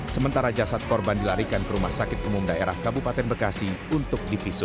sementara jasad korban dilarikan ke rumah sakit umum daerah kabupaten bekasi untuk divisum